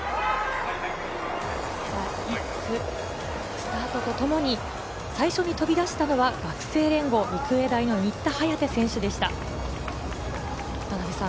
スタートとともに最初に飛び出したのは学生連合、育英大の新田颯選手でした。